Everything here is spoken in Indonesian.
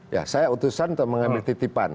ya saya utusan untuk mengambil titipan